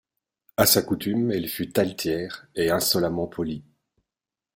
A sa coutume, elle fut altière et insolemment polie.